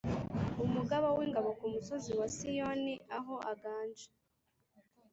Umugaba w’ingabo ku musozi wa Siyoni aho aganje.